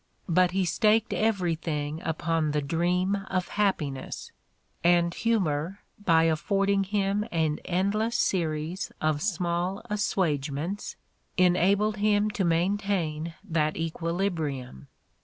But he had staked everything upon the dream of happiness; and hiunor, by affording him an endless series of small assuagements, enabled him to maintain that equilibrium.